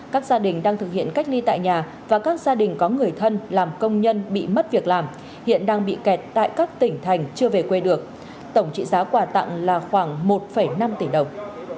các gia đình đang thực hiện cách ly tại nhà và các gia đình có người thân làm công nhân bị mất việc làm hiện đang bị kẹt tại các tỉnh thành chưa về quê được tổng trị giá quà tặng là khoảng một năm tỷ đồng